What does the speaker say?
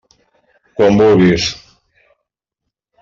Quan vulguis.